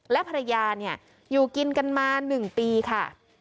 และภรรยาอยู่กินกันมา๑ปีค่ะ